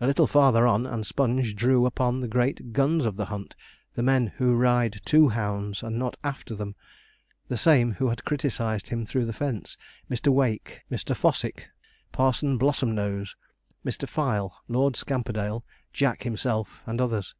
A little farther on, and Sponge drew upon the great guns of the hunt the men who ride to hounds, and not after them; the same who had criticized him through the fence Mr. Wake, Mr. Fossick, Parson Blossomnose, Mr. Fyle, Lord Scamperdale, Jack himself, and others.